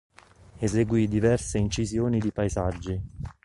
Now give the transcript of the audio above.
Eseguì diverse incisioni di paesaggi.